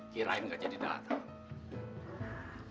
kirain gak jadi datang